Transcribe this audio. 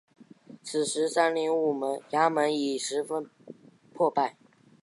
此时三陵衙门已十分破败。